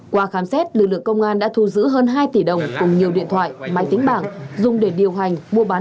qua khám xét lực lượng công an đã thu giữ hơn hai tỷ đồng cùng nhiều điện thoại máy tính bảng dùng để điều hành mua bán